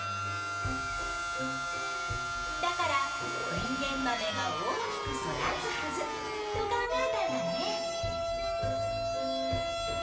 だからインゲンマメが大きく育つはずと考えたんだね。